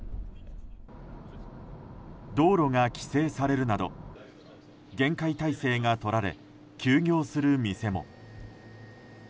道路が規制されるなど厳戒態勢がとられ休業する店も。